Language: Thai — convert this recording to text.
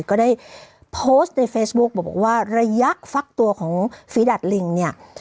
ก็ได้โพสต์ในเฟซบุ๊กบอกว่าระยะฟักตัวของฝีดัดลิงเนี่ย